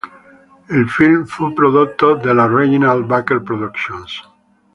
Il film fu prodotto dalla Reginald Barker Productions.